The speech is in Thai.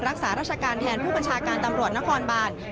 รักษาราชการแทนผู้บัญชาการตำรวจนครบาน